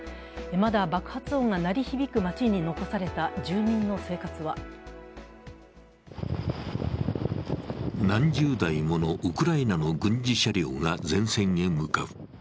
まだ爆発音が鳴り響く街に残された住民の生活は何十台ものウクライナの軍事車両が前線へ向かう。